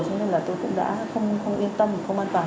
cho nên là tôi cũng đã không yên tâm không an toàn